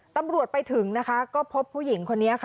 ตำรวจไปถึงนะคะก็พบผู้หญิงคนนี้ค่ะ